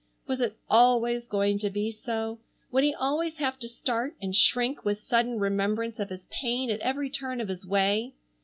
Was it always going to be so? Would he always have to start and shrink with sudden remembrance of his pain at every turn of his way?